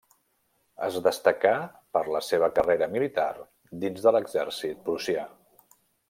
Es destacà per la seva carrera militar dins de l'exèrcit prussià.